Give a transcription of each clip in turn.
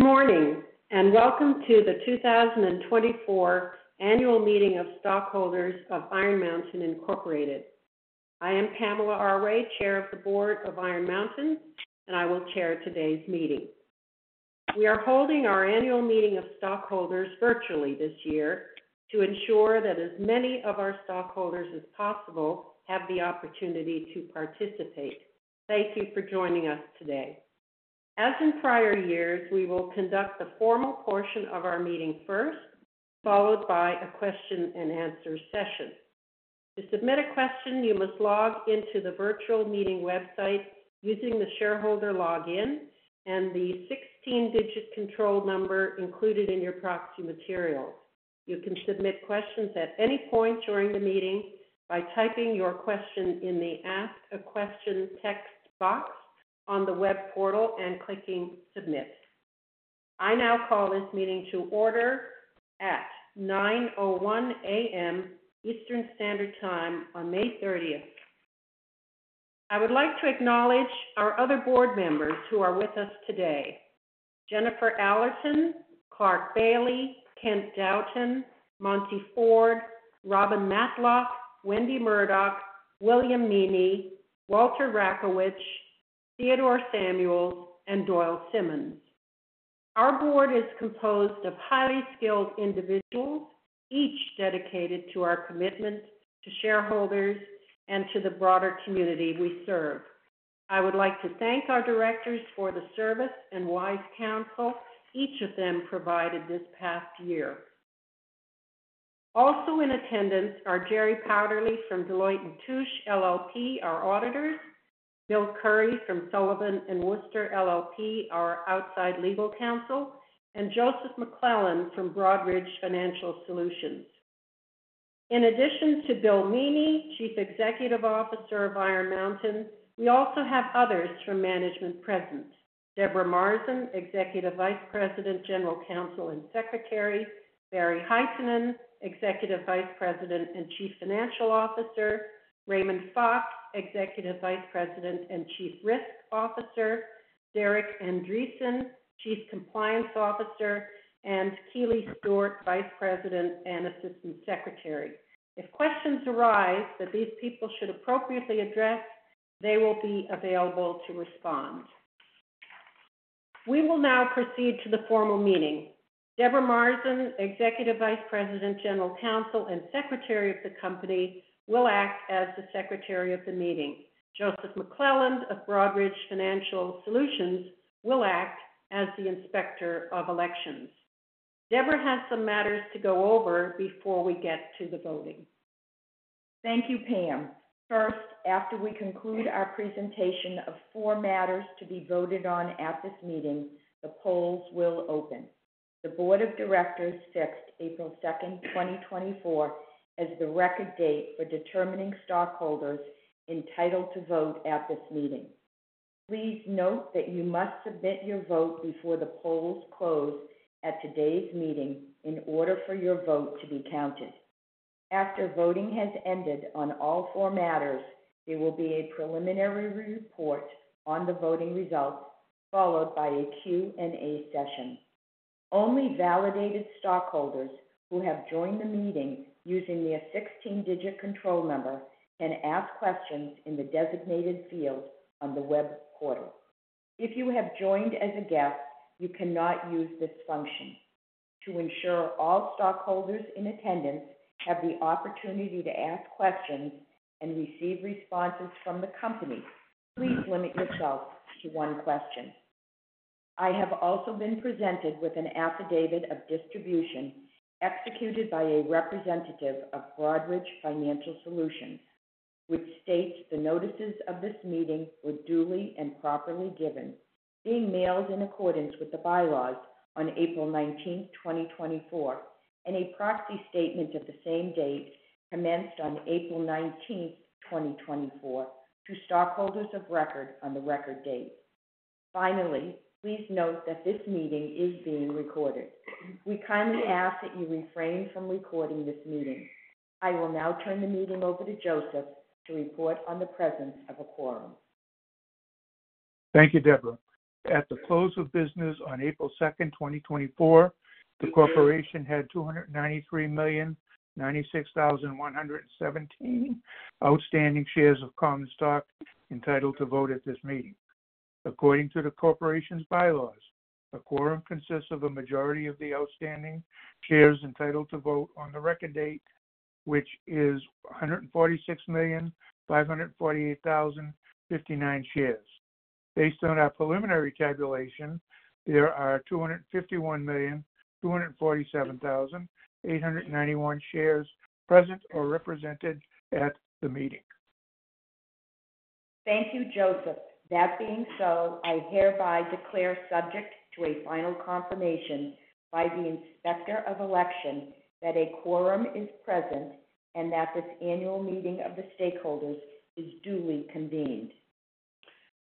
Good morning, and welcome to the 2024 Annual Meeting of Stockholders of Iron Mountain Incorporated. I am Pamela Arway, Chair of the Board of Iron Mountain, and I will chair today's meeting. We are holding our annual meeting of stockholders virtually this year to ensure that as many of our stockholders as possible have the opportunity to participate. Thank you for joining us today. As in prior years, we will conduct the formal portion of our meeting first, followed by a question-and-answer session. To submit a question, you must log into the virtual meeting website using the shareholder login and the 16-digit control number included in your proxy materials. You can submit questions at any point during the meeting by typing your question in the Ask a Question text box on the web portal and clicking Submit. I now call this meeting to order at 9:01 A.M. Eastern Standard Time on May 30th. I would like to acknowledge our other board members who are with us today: Jennifer Allerton, Clarke Bailey, Kent Dauten, Monte Ford, Robin Matlock, Wendy Murdock, William Meaney, Walter Rakowich, Theodore Samuels, and Doyle Simons. Our board is composed of highly skilled individuals, each dedicated to our commitment to shareholders and to the broader community we serve. I would like to thank our directors for the service and wise counsel each of them provided this past year. Also in attendance are Jerome Powderly from Deloitte & Touche, LLP, our auditors; William Curry from Sullivan & Worcester, LLP, our outside legal counsel; and Joseph McClellan from Broadridge Financial Solutions. In addition to Bill Meaney, Chief Executive Officer of Iron Mountain, we also have others from management present: Deborah Marson, Executive Vice President, General Counsel, and Secretary; Barry Hytinen, Executive Vice President and Chief Financial Officer; Raymond Fox, Executive Vice President and Chief Risk Officer; Derek Andriessen, Chief Compliance Officer; and Keely Stewart, Vice President and Assistant Secretary. If questions arise that these people should appropriately address, they will be available to respond. We will now proceed to the formal meeting. Deborah Marson, Executive Vice President, General Counsel, and Secretary of the company, will act as the Secretary of the meeting. Joseph McClellan of Broadridge Financial Solutions will act as the Inspector of Elections. Deborah has some matters to go over before we get to the voting. Thank you, Pam. First, after we conclude our presentation of four matters to be voted on at this meeting, the polls will open. The Board of Directors fixed April 2nd, 2024, as the record date for determining stockholders entitled to vote at this meeting. Please note that you must submit your vote before the polls close at today's meeting in order for your vote to be counted. After voting has ended on all four matters, there will be a preliminary report on the voting results, followed by a Q&A session. Only validated stockholders who have joined the meeting using their 16-digit control number can ask questions in the designated field on the web portal. If you have joined as a guest, you cannot use this function. To ensure all stockholders in attendance have the opportunity to ask questions and receive responses from the company, please limit yourself to one question. I have also been presented with an affidavit of distribution executed by a representative of Broadridge Financial Solutions, which states the notices of this meeting were duly and properly given, being mailed in accordance with the bylaws on April 19, 2024, and a proxy statement of the same date commenced on April 19, 2024, to stockholders of record on the record date. Finally, please note that this meeting is being recorded. We kindly ask that you refrain from recording this meeting. I will now turn the meeting over to Joseph to report on the presence of a quorum. Thank you, Deborah. At the close of business on April 2, 2024, the corporation had 293,096,117 outstanding shares of common stock entitled to vote at this meeting. According to the corporation's bylaws, a quorum consists of a majority of the outstanding shares entitled to vote on the record date, which is 146,548,059 shares. Based on our preliminary tabulation, there are 251,247,891 shares present or represented at the meeting. Thank you, Joseph. That being so, I hereby declare, subject to a final confirmation by the Inspector of Election, that a quorum is present and that this annual meeting of the stakeholders is duly convened.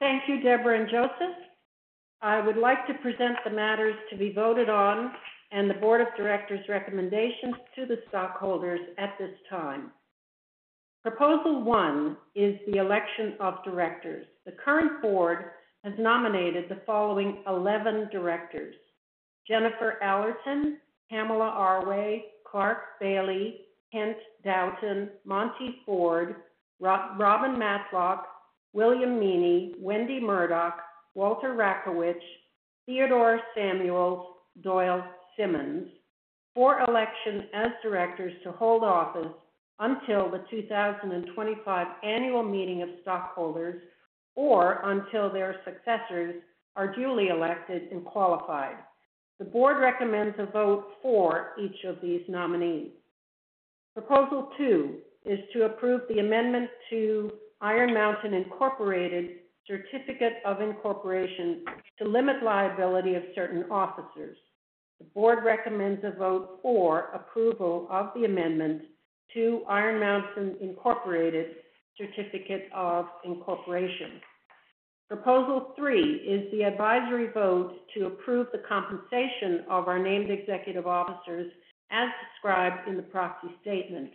Thank you, Deborah and Joseph. I would like to present the matters to be voted on and the board of directors' recommendations to the stockholders at this time.... Proposal one is the election of directors. The current board has nominated the following 11 directors: Jennifer Allerton, Pamela Arway, Clarke Bailey, Kent Dauten, Monte Ford, Robin Matlock, William Meaney, Wendy Murdock, Walter Rakowich, Theodore Samuels, Doyle Simons. For election as directors to hold office until the 2025 annual meeting of stockholders, or until their successors are duly elected and qualified. The board recommends a vote for each of these nominees. Proposal two is to approve the amendment to Iron Mountain Incorporated Certificate of Incorporation to limit liability of certain officers. The board recommends a vote for approval of the amendment to Iron Mountain Incorporated Certificate of Incorporation. Proposal three is the advisory vote to approve the compensation of our named executive officers as described in the proxy statement.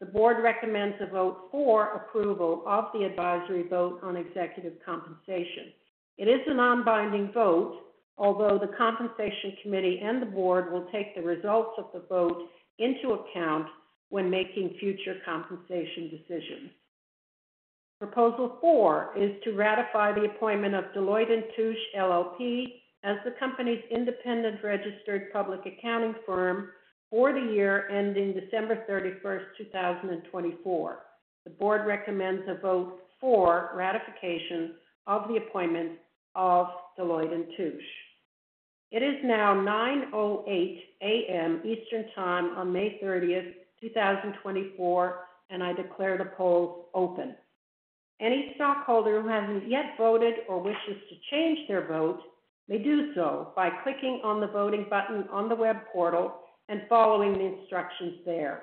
The board recommends a vote for approval of the advisory vote on executive compensation. It is a non-binding vote, although the Compensation Committee and the board will take the results of the vote into account when making future compensation decisions. Proposal four is to ratify the appointment of Deloitte & Touche, LLP, as the company's independent registered public accounting firm for the year ending December 31, 2024. The board recommends a vote for ratification of the appointment of Deloitte & Touche. It is now 9:00 A.M. Eastern time on May 30th, 2024, and I declare the polls open. Any stockholder who hasn't yet voted or wishes to change their vote, may do so by clicking on the voting button on the web portal and following the instructions there.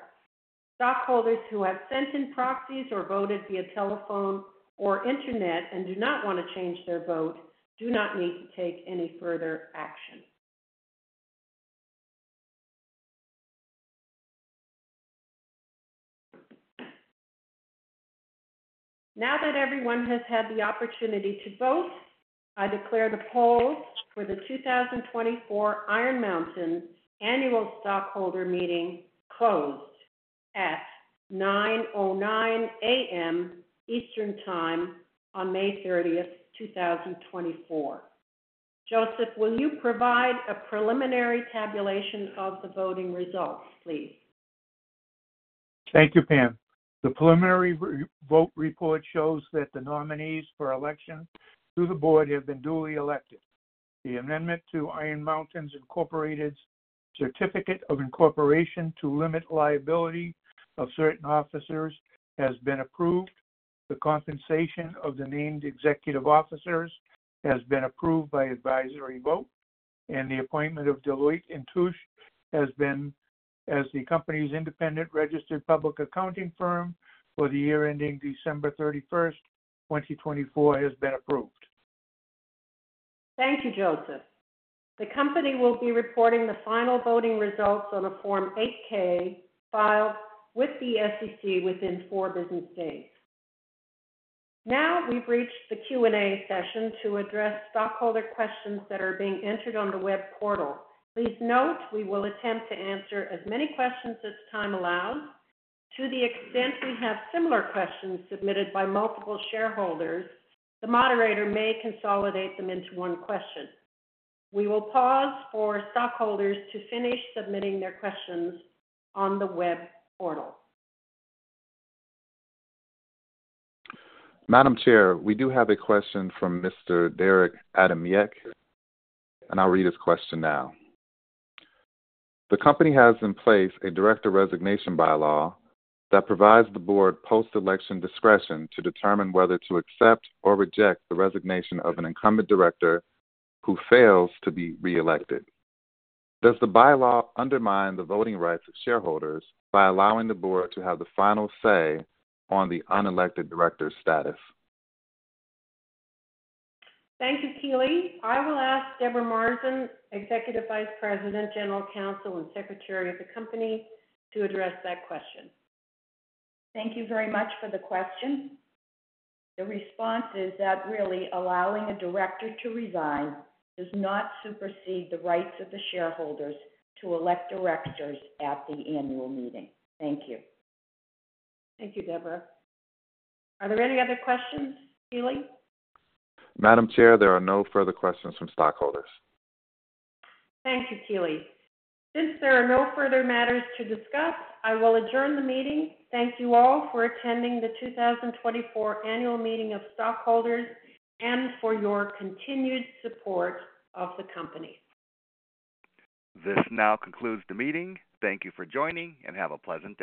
Stockholders who have sent in proxies or voted via telephone or internet and do not want to change their vote, do not need to take any further action. Now that everyone has had the opportunity to vote, I declare the polls for the 2024 Iron Mountain annual stockholder meeting closed at 9:09 A.M. Eastern Time on May 30th, 2024. Joseph, will you provide a preliminary tabulation of the voting results, please? Thank you, Pam. The preliminary vote report shows that the nominees for election to the board have been duly elected. The amendment to Iron Mountain Incorporated's Certificate of Incorporation to limit liability of certain officers has been approved. The compensation of the named executive officers has been approved by advisory vote, and the appointment of Deloitte & Touche has been as the company's independent registered public accounting firm for the year ending December 31st, 2024, has been approved. Thank you, Joseph. The company will be reporting the final voting results on a Form 8-K filed with the SEC within four business days. Now, we've reached the Q&A session to address stockholder questions that are being entered on the web portal. Please note we will attempt to answer as many questions as time allows. To the extent we have similar questions submitted by multiple shareholders, the moderator may consolidate them into one question. We will pause for stockholders to finish submitting their questions on the web portal. Madam Chair, we do have a question from Mr. Derek Adamyk, and I'll read his question now. The company has in place a director resignation bylaw that provides the board post-election discretion to determine whether to accept or reject the resignation of an incumbent director who fails to be reelected. Does the bylaw undermine the voting rights of shareholders by allowing the board to have the final say on the unelected director's status? Thank you, Keely. I will ask Deborah Marson, Executive Vice President, General Counsel, and Secretary of the company, to address that question. Thank you very much for the question. The response is that really allowing a director to resign does not supersede the rights of the shareholders to elect directors at the annual meeting. Thank you. Thank you, Deborah. Are there any other questions, Keely? Madam Chair, there are no further questions from stockholders. Thank you, Keely. Since there are no further matters to discuss, I will adjourn the meeting. Thank you all for attending the 2024 annual meeting of stockholders and for your continued support of the company. This now concludes the meeting. Thank you for joining, and have a pleasant day.